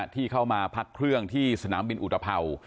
ที่เข้ามาพักเครื่องที่สนามบินอุตภัวร์